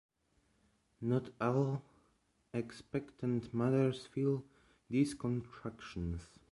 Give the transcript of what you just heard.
Not all expectant mothers feel these contractions.